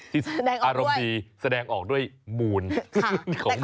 ที่อารมณ์ดีแสดงออกด้วยมูลของมัน